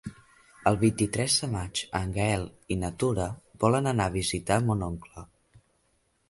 El vint-i-tres de maig en Gaël i na Tura volen anar a visitar mon oncle.